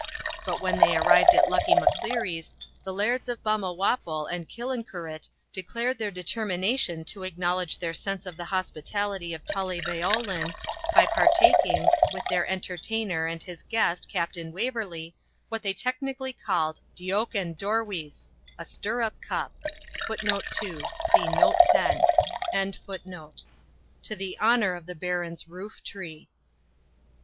But when they arrived at Luckie Macleary's the Lairds of Balmawhapple and Killancureit declared their determination to acknowledge their sense of the hospitality of Tully Veolan by partaking, with their entertainer and his guest Captain Waverley, what they technically called deoch an doruis, a stirrup cup, [Footnote 2: See Note 10] to the honour of the Baron's roof tree.